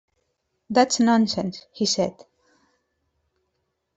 “That’s nonsense,” he said.